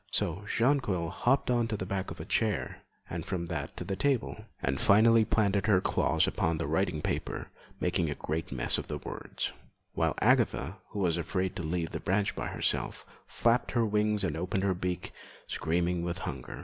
So Jonquil hopped on to the back of a chair and from that to the table, and finally planted her claws upon the writing paper, making a great mess of the words; while Agatha, who was afraid to leave the branch by herself, flapped her wings and opened her beak, screaming with hunger.